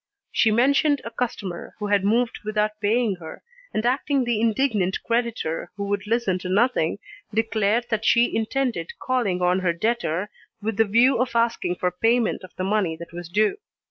She mentioned a customer who had moved without paying her, and acting the indignant creditor who would listen to nothing, declared that she intended calling on her debtor with the view of asking for payment of the money that was due.